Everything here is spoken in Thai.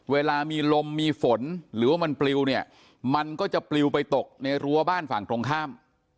เวลามีลมมีฝนหรือว่ามันปลิวเนี่ยมันก็จะปลิวไปตกในรั้วบ้านฝั่งตรงข้าม